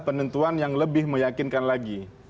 penentuan yang lebih meyakinkan lagi